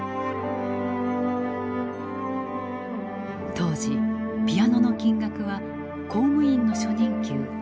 当時ピアノの金額は公務員の初任給８か月分。